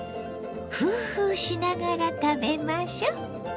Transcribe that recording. フーフーしながら食べましょ。